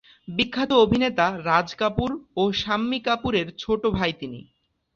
বিখ্যাত অভিনেতা রাজ কাপুর ও শাম্মী কাপুরের ছোট ভাই তিনি।